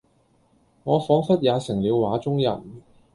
我彷彿也成了畫中人